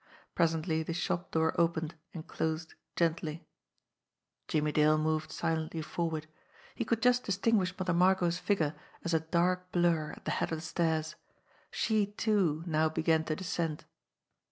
Presently the shop door opened and closed gently. Jimmie Dale moved silently forward. He could just dis MOTHER MARGOT 59 tinguish Mother Margot's figure as a dark blur at the head of the stairs. She, too, now began to descend.